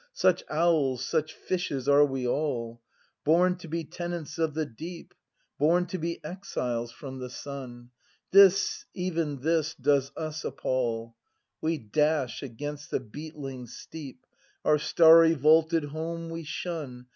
Such owls, such fishes, are we all. Born to be tenants of the deep. Born to be exiles from the sun. This, even this, does us appal; We dash against the beetling steep, Our starry vaulted home we shun.